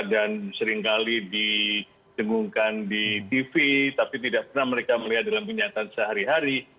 dan seringkali disengungkan di tv tapi tidak pernah mereka melihat dalam kenyataan sehari hari